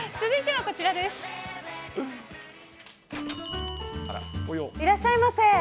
続いてはこちらです。